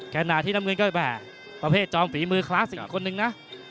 แค่หน้าที่น้ำเงินก็แบบประเภทจอมฝีมือคลาสสิกคนหนึ่งนะ